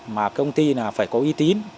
mà công ty này phải có y tín